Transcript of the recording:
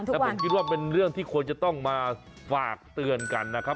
แต่ผมคิดว่าเป็นเรื่องที่ควรจะต้องมาฝากเตือนกันนะครับ